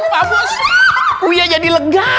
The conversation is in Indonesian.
pak bos uya jadi lega